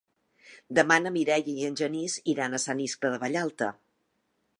Demà na Mireia i en Genís iran a Sant Iscle de Vallalta.